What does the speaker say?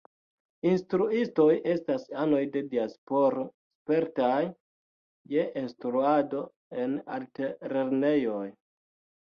Instruistoj estas anoj de diasporo spertaj je instruado en altlernejoj.